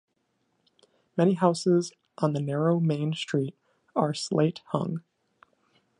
Many houses on the narrow main street are slate hung.